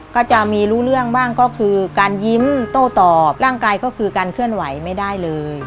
ก็จะมีรู้เรื่องบ้างก็คือการยิ้มโต้ตอบร่างกายก็คือการเคลื่อนไหวไม่ได้เลย